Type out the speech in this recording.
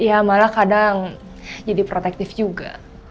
ya malah kadang jadi protektif juga